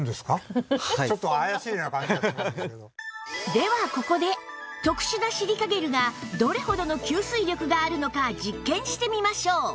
ではここで特殊なシリカゲルがどれほどの吸水力があるのか実験してみましょう